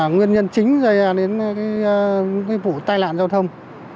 nguyên nhân chính là đến vụ tai lạng giao thông